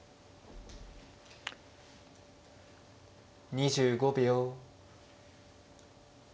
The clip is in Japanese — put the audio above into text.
２５秒。